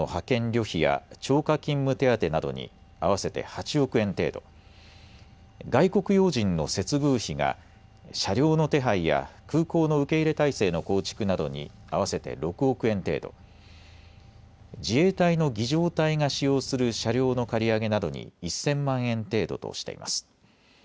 旅費や超過勤務手当てなどに合わせて８億円程度、外国要人の接遇費が車両の手配や空港の受け入れ体制の構築などに合わせて６億円程度、自衛隊の儀じょう隊が使用する車両の借り上げなどに１０００万円程度としています。